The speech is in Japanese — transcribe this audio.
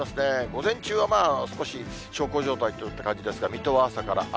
午前中は少し小康状態といった感じですが、水戸は朝から雨。